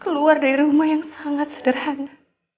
keluar dari rumah yang sangat sederhana